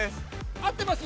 ◆合ってます？